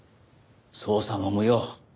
捜査も無用。